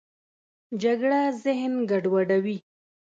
جګړه ذهن ګډوډوي